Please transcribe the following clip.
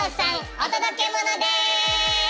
お届けモノです！